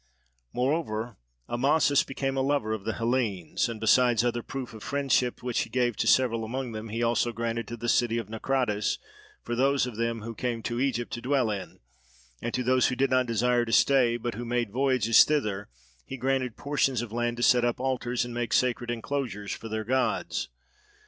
Moreover Amasis became a lover of the Hellenes; and besides other proofs of friendship which he gave to several among them, he also granted the city of Naucratis for those of them who came to Egypt to dwell in; and to those who did not desire to stay, but who made voyages thither, he granted portions of land to set up altars and make sacred enclosures for their gods.